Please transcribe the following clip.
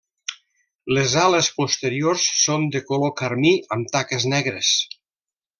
Les ales posteriors són de color carmí amb taques negres.